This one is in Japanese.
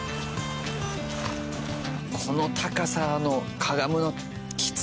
この高さのかがむのきつい！